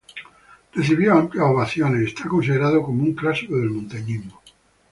Recibió amplias ovaciones, y es considerado como un clásico del montañismo.